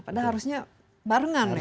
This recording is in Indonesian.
padahal harusnya barengan ya